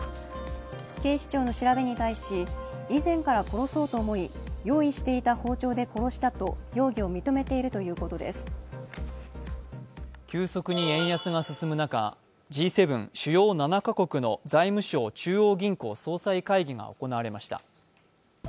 警視庁の調べに対し、以前から殺そうと思い、用意していた包丁で殺したと急速に円安が進む中、Ｇ７＝主要７か国の財務相・中央銀行総裁会議が行われました。